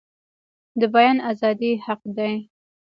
د بیان ازادي حق دی